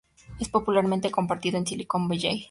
Es popularmente comparado con Silicon Valley.